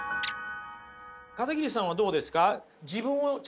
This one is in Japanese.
片桐さんはどうですか？